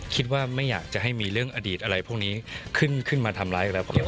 คิดว่าไม่อยากจะให้มีเรื่องอดีตอะไรพวกนี้ขึ้นมาทำร้ายอะไรผม